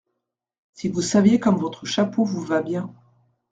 Si vous saviez comme votre chapeau vous va bien.